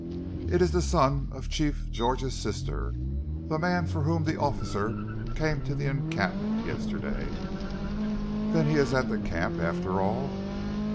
"It is the son of Chief George's sister the man for whom the officer came to the encampment yesterday." "Then he is at the camp, after all?"